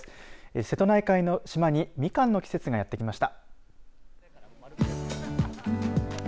瀬戸内海の島にみかんの季節がやってきました。